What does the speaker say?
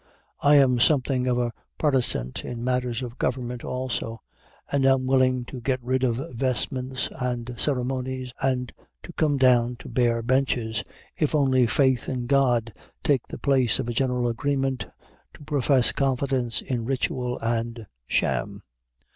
I am something of a protestant in matters of government also, and am willing to get rid of vestments and ceremonies and to come down to bare benches, if only faith in God take the place of a general agreement to profess confidence in ritual and sham.